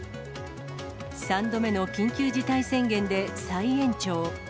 ３度目の緊急事態宣言で再延長。